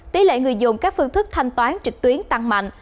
tỷ lệ người dùng các phương thức thanh toán trực tuyến tăng mạnh